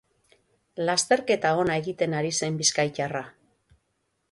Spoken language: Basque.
Lasterketa ona egiten ari zen bizkaitarra.